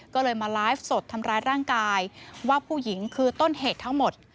ก็เลยมาไลฟ์สดทำร้ายร่างกายว่าผู้หญิงคือต้นเหตุทั้งหมด